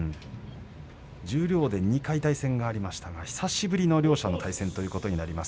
十両で２回対戦がありましたが久しぶりの両者の対戦ということになります。